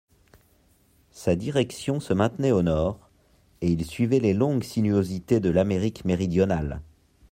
Sa direction se maintenait au nord, et il suivait les longues sinuosités de l'Amérique méridionale.